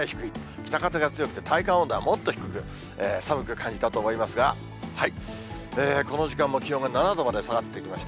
北風が強くて、体感温度はもっと低く寒く感じたと思いますが、この時間も気温が７度まで下がってきました。